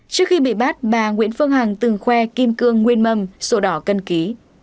trước khi bị bắt bà nguyễn phương hằng từng khoe kim cương nguyên mâm sổ đỏ cân ký